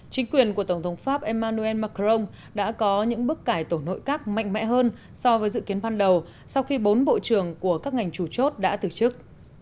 chính quyền của tổng thống pháp emmanuel macron đã có những bước cải tổ nội các mạnh mẽ hơn so với dự kiến ban đầu sau khi bốn bộ trưởng của các ngành chủ chốt đã từ chức